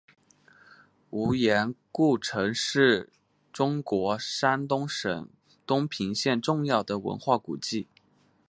无盐故城是中国山东省东平县重要的文化古迹。